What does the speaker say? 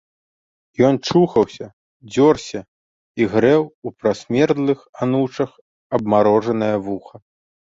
Ён чухаўся, дзёрся і грэў у прасмердлых анучах абмарожанае вуха.